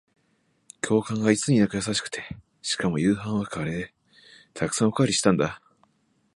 教官がいつになく優しくて、しかも夕飯はカレー。沢山おかわりしたんだ。